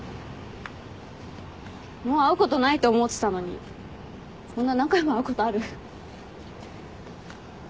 もう会うことないと思ってたのにこんな何回も会うことある？